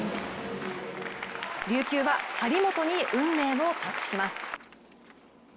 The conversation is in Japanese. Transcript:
琉球は張本に運命を託します。